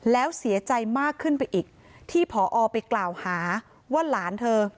แล้วเสียใจมากขึ้นไปอีกที่ผอไปกล่าวหาว่าหลานเธอ